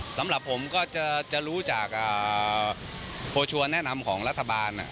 สำหรับผมก็จะรู้จากโพชัวร์แนะนำของรัฐบาล